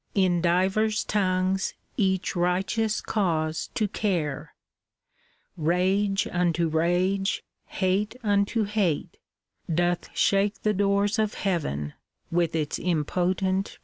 In divers tongues each righteous cause to care; Rage unto rage, hate unto hate, doth shake The doors of Heaven with its imp6tent prayer.